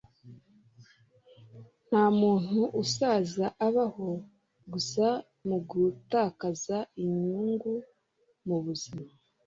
nta muntu usaza abaho; gusa mugutakaza inyungu mubuzima